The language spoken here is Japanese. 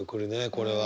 これは。